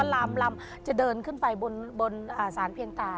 ลำจะเดินขึ้นไปบนสารเพียงตา